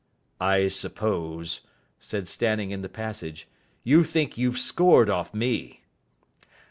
"I suppose," said Stanning in the passage, "you think you've scored off me."